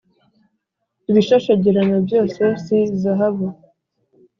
ibishashagirana byose si zahabu